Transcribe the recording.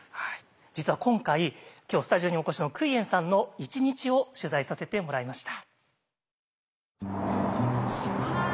実は今回今日スタジオにお越しのクイエンさんの一日を取材させてもらいました。